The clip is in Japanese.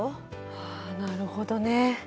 あなるほどね。